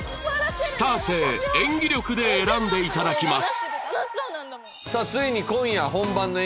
スター性演技力で選んでいただきます